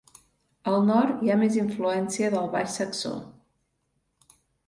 Al nord hi ha més influència del baix saxó.